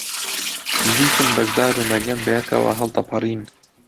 دیتم بەشدار و مەریەم بەیەکەوە هەڵدەپەڕین.